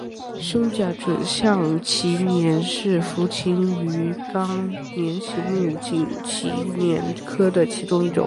胸甲准项鳍鲇是辐鳍鱼纲鲇形目颈鳍鲇科的其中一种。